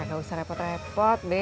gak usah repot repot deh